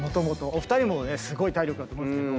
お二人もすごい体力だと思うんですけど。